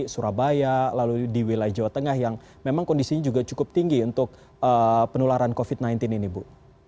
surabaya lalu di wilayah jawa tengah yang memang kondisinya juga cukup tinggi untuk penularan covid sembilan belas ini bu